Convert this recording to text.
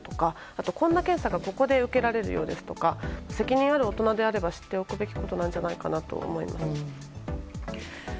あと、こんな検査がここで受けられるよですとか責任ある大人であれば知っておくべきことじゃないかなと思います。